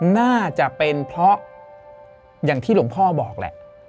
น่าจะเป็นเพราะอย่างที่หลวงพ่อบอกแหละ